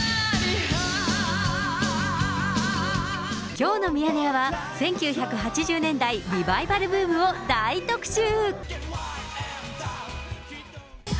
きょうのミヤネ屋は、１９８０年代リバイバルブームを大特集。